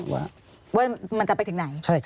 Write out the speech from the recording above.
ว่ามันจะไปถึงไหน